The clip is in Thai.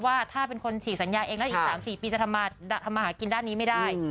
ว่าถ้าเป็นคนฉีกสัญญาเองแล้วอีก๓๔ปีจะทำมาหากินด้านนี้ไม่ได้